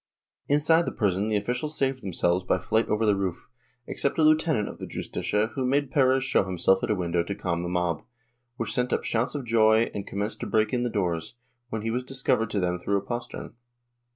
Inside the prison the officials saved themselves by flight over the roof, except a lieutenant of the Justicia who made Perez show himself at a window to calm the mob, which sent up shouts of joy and commenced to break in the doors, when he was delivered to them through a postern.